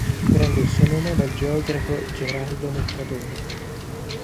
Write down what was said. Prende il suo nome dal geografo Gerardo Mercatore.